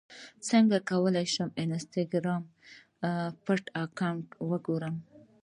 څنګه کولی شم د انسټاګرام پټ اکاونټ وګورم